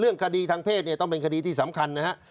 คดีทางเพศเนี่ยต้องเป็นคดีที่สำคัญนะฮะ